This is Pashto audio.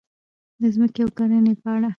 د ځمکې او کرنې په اړه: